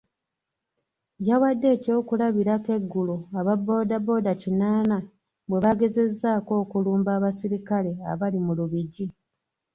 Yawadde eky'okulabirako eggulo aba boda boda kinaana bwe baagezezzaako okulumba abasirikale abali mu Lubigi.